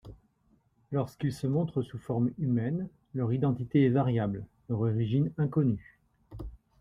Lorsqu’ils se montrent sous forme humaine, leur identité est variable, leur origine inconnue.